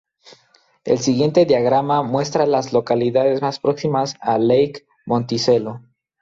El siguiente diagrama muestra a las localidades más próximas a Lake Monticello.